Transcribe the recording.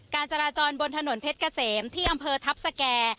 การจราจรบนถนนเพชรเกษมที่อำเภอทัพสแก่